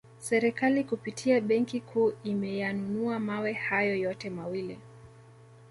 Serikali kupitia benki kuu imeyanunua mawe hayo yote mawili